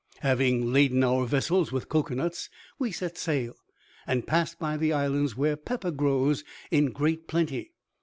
Having laden our vessel with cocoanuts, we set sail, and passed by the islands where pepper grows in great plenty.